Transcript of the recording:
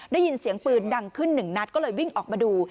ได้ยินเสียงปืนดังขึ้นหนึ่งนัดก็เลยวิ่งออกมาดู